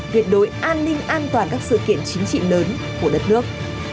tuyệt đối an ninh an toàn các sự kiện chính trị lớn của đất nước